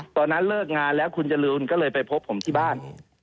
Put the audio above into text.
ตอนนั้นเลิกงานแล้วคุณจรูนก็เลยไปพบผมที่บ้าน